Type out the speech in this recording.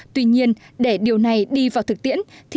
tuy nhiên để điều này đi vào thực tiễn